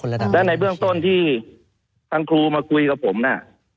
แล้วในเบื้องต้นที่ทางครูมาคุยกับผมน่ะ